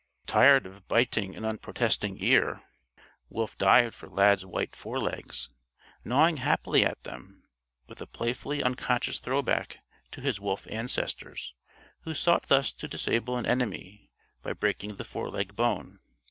Tired of biting an unprotesting ear, Wolf dived for Lad's white forelegs, gnawing happily at them with a playfully unconscious throwback to his wolf ancestors who sought thus to disable an enemy by breaking the foreleg bone.